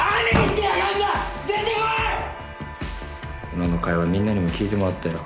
今の会話みんなにも聞いてもらったよ。